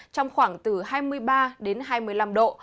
trong khoảng từ hai mươi ba đến hai mươi năm độ